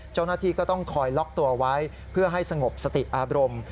เจ้าหน้าที่ก็ต้องคอยล็อกตัวไว้เพื่อให้สงบสติอารมณ์